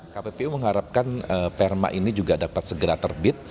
kppu mengharapkan perma ini juga dapat segera terbit